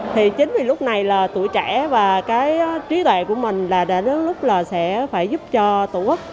thì chính vì lúc này là tuổi trẻ và cái trí tuệ của mình là đến lúc là sẽ phải giúp cho tổ quốc